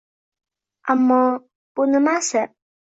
Ammo bu nimasi